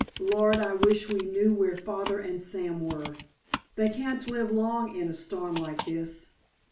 Lord, I wish we knew where Father and Sam were! They can't live long in a storm like this."